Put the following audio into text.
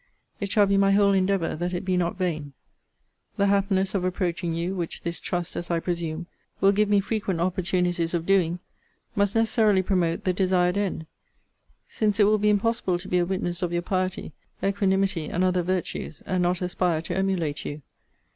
It shall be my whole endeavour that it be not vain. The happiness of approaching you, which this trust, as I presume, will give me frequent opportunities of doing, must necessarily promote the desired end: since it will be impossible to be a witness of your piety, equanimity, and other virtues, and not aspire to emulate you.